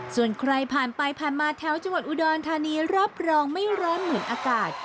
ส่วนใครผ่านไปผ่านมาแถวจังหวัดอุดรธานีรับรองไม่ร้อนเหมือนอากาศ